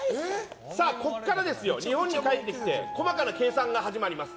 ここから日本に帰ってきて細かな計算が始まります。